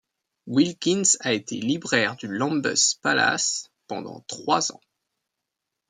Wilkins a été libraire du Lambeth Palace pendant trois ans.